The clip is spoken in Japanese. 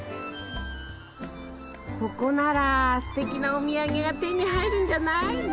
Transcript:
ここならすてきなお土産が手に入るんじゃない？ね？